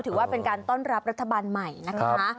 ถือว่าเป็นการต้อนรับรัฐบาลใหม่นะคะ